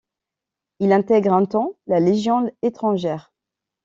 Il intègre un temps la Légion étrangère.